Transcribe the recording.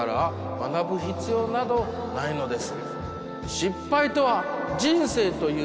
「学ぶ必要などないのです」